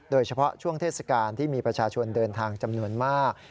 โดยเฉพาะช่วงเทศกาลที่มีประชาชนเดินทางจำนวนมาก